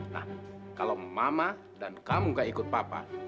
nah kalau mama dan kamu gak ikut papa